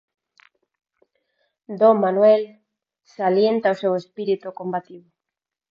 Do Manuel, salienta o seu espírito combativo.